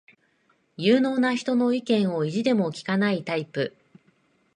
有能な人の意見を意地でも聞かないタイプ